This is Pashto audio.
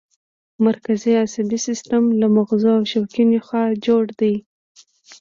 مرکزي عصبي سیستم له مغزو او شوکي نخاع جوړ دی